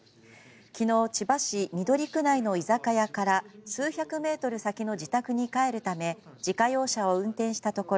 昨日、千葉市緑区内の居酒屋から数百メートル先の自宅に帰るため自家用車を運転したところ